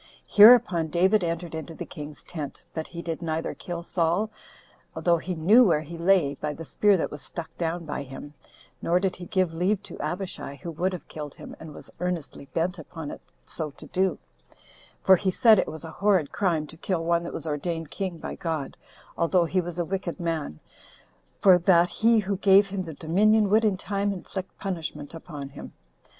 Hereupon David entered into the king's tent; but he did neither kill Saul, though he knew where he lay, by the spear that was stuck down by him, nor did he give leave to Abishai, who would have killed him, and was earnestly bent upon it so to do; for he said it was a horrid crime to kill one that was ordained king by God, although he was a wicked man; for that he who gave him the dominion would in time inflict punishment upon him.